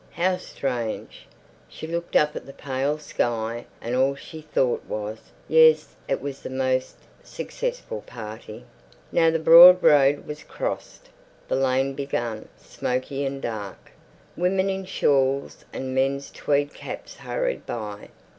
How strange! She looked up at the pale sky, and all she thought was, "Yes, it was the most successful party." Now the broad road was crossed. The lane began, smoky and dark. Women in shawls and men's tweed caps hurried by.